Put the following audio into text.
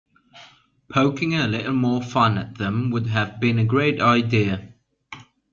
Poking a little more fun at them would have been a great idea.